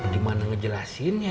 gimana ngejelasinnya ya